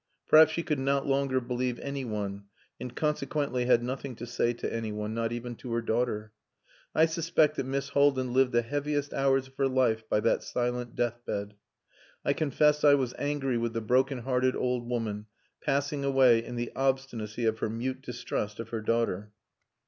Perhaps she could no longer believe any one, and consequently had nothing to say to any one not even to her daughter. I suspect that Miss Haldin lived the heaviest hours of her life by that silent death bed. I confess I was angry with the broken hearted old woman passing away in the obstinacy of her mute distrust of her daughter.